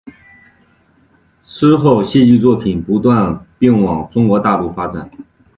之后戏剧作品不断并往中国大陆发展。